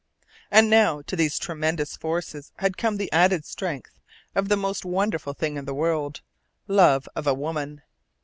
And now to these tremendous forces had come the added strength of the most wonderful thing in the world: love of a woman.